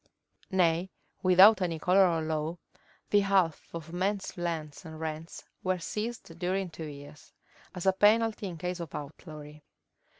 Nay, without any color of law, the half of men's lands and rents were seized during two years, as a penalty in case of outlawry.